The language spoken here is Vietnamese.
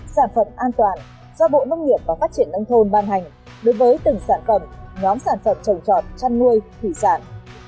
sản phẩm an toàn do bộ nông nghiệp và phát triển nông thôn ban hành đối với từng sản phẩm nhóm sản phẩm trồng trọt chăn nuôi thủy sản